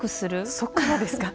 そっからですか。